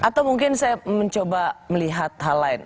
atau mungkin saya mencoba melihat hal lain